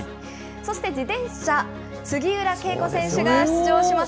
そして、自転車、杉浦佳子選手が出場します。